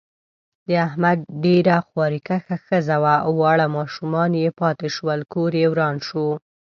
د احمد ډېره خواریکښه ښځه وه، واړه ماشومان یې پاتې شول. کوریې وران شو.